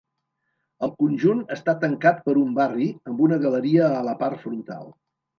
El conjunt està tancat per un barri amb una galeria a la part frontal.